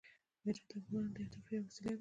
هرات د افغانانو د تفریح یوه وسیله ده.